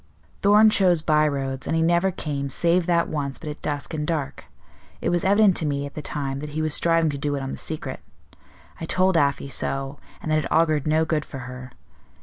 "Thorn chose by roads, and he never came, save that once, but at dusk and dark. It was evident to me at the time that he was striving to do it on the secret. I told Afy so, and that it augured no good for her.